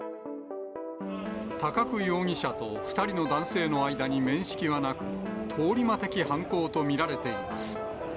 高久容疑者と２人の男性の間に面識はなく、通り魔的犯行と見られています。